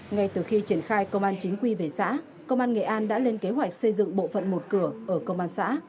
ngay từ khi triển khai công an chính quy về xã công an nghệ an đã lên kế hoạch xây dựng bộ phận một cửa ở công an xã